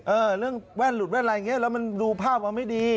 เรื่องแว่นหลุดแว่นอะไรอย่างนี้แล้วมันดูภาพมันไม่ดี